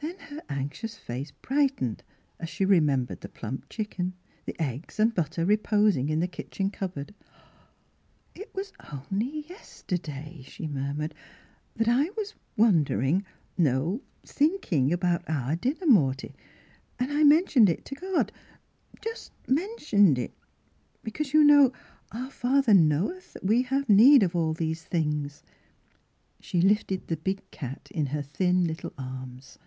Then her anxious face brightened, as she remembered the plump chicken, the eggs and butter reposing in the kitchen cupboard. " It was only yesterday," she mur mured, "that I was wondering — no Miss Fhilura's Wedding Gown thinking about our dinner, Morty, and I — mentioned it to God — just mentioned it, because, you know, our Father knoweth that we have need of all these things." She lifted the big cat in her thin little arms.